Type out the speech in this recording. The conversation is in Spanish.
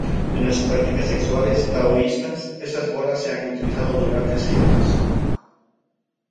En las prácticas sexuales taoístas estas bolas se han utilizado durante siglos.